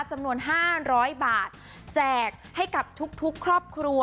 จำนวน๕๐๐บาทแจกให้กับทุกครอบครัว